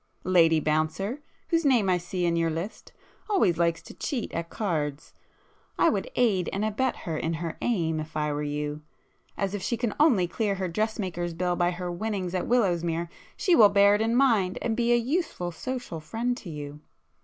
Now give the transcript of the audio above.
Lady Bouncer, whose name I see in your list, always likes to cheat at cards,—I would aid and abet her in her aim if I were you, as if she can only clear her dressmaker's bill by her winnings at Willowsmere, she will bear it in mind, and be a useful social friend to you.